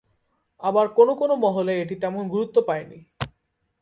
আবার কোন কোন মহলে এটি তেমন গুরুত্ব পায়নি।